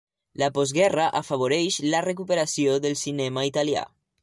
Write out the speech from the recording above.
La postguerra afavoreix la recuperació del cinema italià.